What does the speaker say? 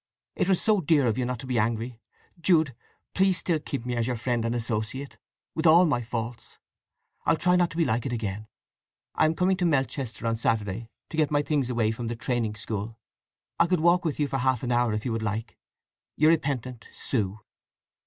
It was so dear of you not to be angry! Jude, please still keep me as your friend and associate, with all my faults. I'll try not to be like it again. I am coming to Melchester on Saturday, to get my things away from the T. S., &c. I could walk with you for half an hour, if you would like?—Your repentant SUE.